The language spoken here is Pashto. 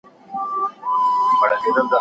پتنګ او پتمن دواړه هر سهار خپل غاښونه برش کوی.